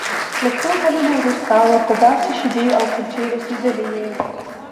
له څو کلونو وروسته ورته داسې شیدې او کلچې رسیدلې وې